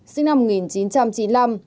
sinh năm một nghìn chín trăm chín mươi năm